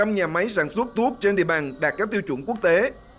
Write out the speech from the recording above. ba mươi nhà máy sản xuất thuốc trên địa bàn đạt các tiêu chuẩn quốc tế